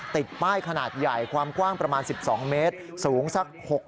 ติดป้ายขนาดใหญ่ความกว้างประมาณ๑๒เมตรสูงสัก